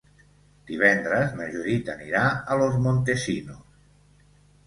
Divendres na Judit anirà a Los Montesinos.